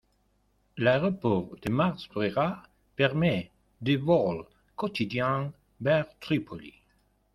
L'aéroport de Marsa Brega permet des vols quotidiens vers Tripoli.